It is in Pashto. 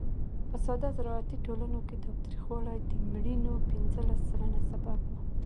په ساده زراعتي ټولنو کې تاوتریخوالی د مړینو پینځلس سلنه سبب و.